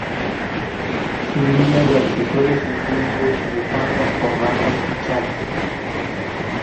Su línea de accesorios incluye bufandas, corbatas y chales.